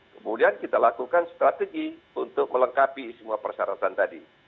kemudian kita lakukan strategi untuk melengkapi semua persyaratan tadi